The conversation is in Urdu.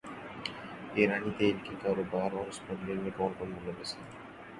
ایرانی تیل کے کاروبار اور اسمگلنگ میں کون کون ملوث ہے